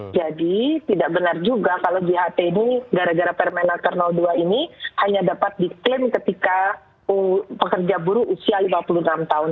jadi tidak benar juga kalau jht ini gara gara permenaker nomor dua ini hanya dapat diklaim ketika pekerja buruh usia lima puluh enam tahun